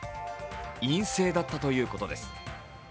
陰性だったということです。